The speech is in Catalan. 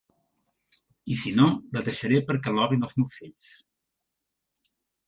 I si no la deixaré perquè l’obrin els meus fills.